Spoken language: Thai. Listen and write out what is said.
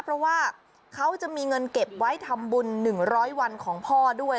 เพราะว่าเขาจะมีเงินเก็บไว้ทำบุญ๑๐๐วันของพ่อด้วย